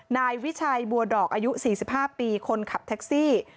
นายวิชัยบัวดอกอายุ๔๕ปีคนขับแท็กซี่